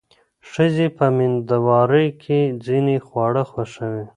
ښځې په مېندوارۍ کې ځینې خواړه خوښوي.